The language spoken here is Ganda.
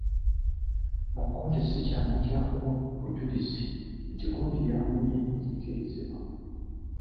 Mu kkooti si kyangu kyakuwa bujulizi nti gundi yanvumye ne kikkirizibwa.